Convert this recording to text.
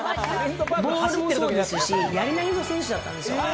ボールもそうですし、やり投げの選手だったんですよ。